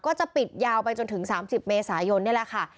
ก็จะปิดยาวไปจนถึง๓๐เมษายนนี่แหละค่ะ